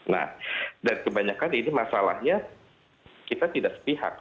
nah dan kebanyakan ini masalahnya kita tidak sepihak